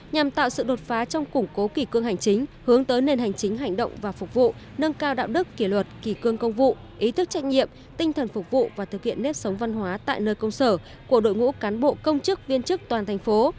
nhằm tạo sự đột phá trong củng cố kỳ cương hành chính hướng tới nền hành chính hành động và phục vụ nâng cao đạo đức kỷ luật kỳ cương công vụ ý thức trách nhiệm tinh thần phục vụ và thực hiện nếp sống văn hóa tại nơi công sở của đội ngũ cán bộ công chức viên chức toàn thành phố